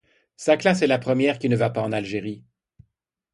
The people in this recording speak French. Sa classe est la première qui ne va pas en Algérie.